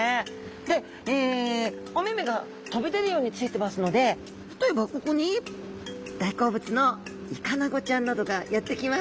でお目目が飛び出るように付いてますので例えばここに大好物のイカナゴちゃんなどが寄ってきます。